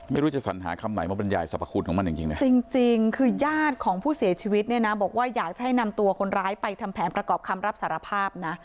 ไม่รู้จะสัญหาคำไหนมาบรรยายสรรพคุณของมันจริงนะจริงคือญาติของผู้เสียชีวิตเนี่ยนะบอกว่าอยากจะให้นำตัวคนร้ายไปทำแผนประกอบคำรับสารภาพนะ